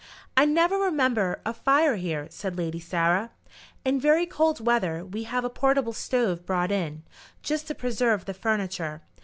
"I never remember a fire here," said Lady Sarah. "In very cold weather we have a portable stove brought in, just to preserve the furniture.